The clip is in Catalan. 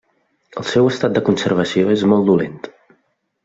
El seu estat de conservació és molt dolent.